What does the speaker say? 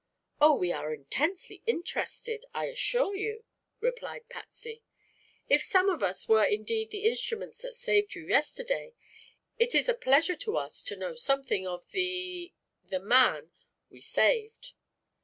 "Oh, we are intensely interested, I assure you," replied Patsy. "If some of us were indeed the instruments that saved you yesterday, it is a pleasure to us to know something of the the man we saved."